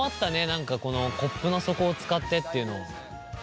何かこのコップの底を使ってっていうの。